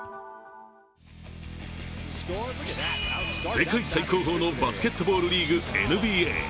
世界最高峰のバスケットボールリーグ、ＮＢＡ。